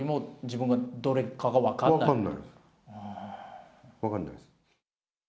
分からないです。